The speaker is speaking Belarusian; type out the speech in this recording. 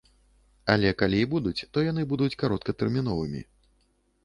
Але калі і будуць, то яны будуць кароткатэрміновымі.